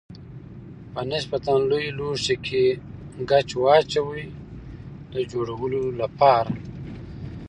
په نسبتا لوی لوښي کې ګچ واچوئ د جوړولو لپاره.